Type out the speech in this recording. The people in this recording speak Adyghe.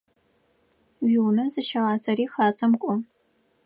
Уиунэ зыщыгъасэри Хасэм кӏо.